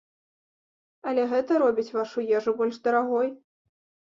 Але гэта робіць вашу ежу больш дарагой.